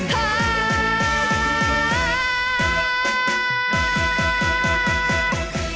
หุ้ย